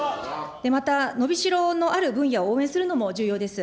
また、伸びしろのある分野を応援するのも重要です。